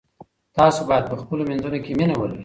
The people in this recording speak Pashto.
تاسو باید په خپلو منځونو کې مینه ولرئ.